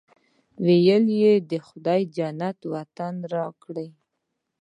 ویل یې خدای جنت وطن راکړی.